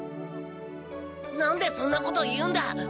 何でそんなこと言うんだ！